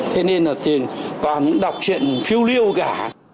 thế nên là toàn đọc chuyện phiêu liêu cả